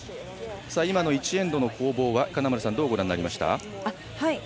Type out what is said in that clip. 今の１エンドの攻防は金村さん、どうご覧になりました。